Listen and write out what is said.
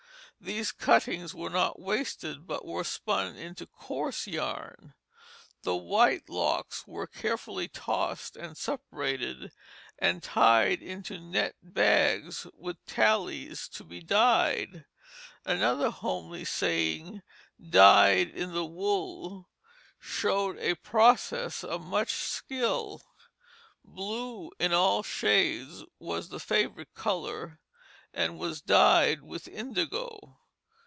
These cuttings were not wasted, but were spun into coarse yarn. The white locks were carefully tossed and separated and tied into net bags with tallies to be dyed. Another homely saying, "dyed in the wool," showed a process of much skill. Blue, in all shades, was the favorite color, and was dyed with indigo.